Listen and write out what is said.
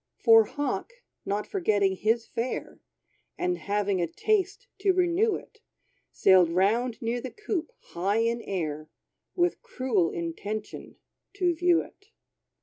For Hawk, not forgetting his fare, And having a taste to renew it, Sailed round near the coop, high in air, With cruel intention, to view it.